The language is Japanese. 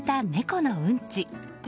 このうんち。